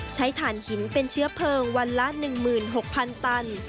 ถ่านหินเป็นเชื้อเพลิงวันละ๑๖๐๐๐ตัน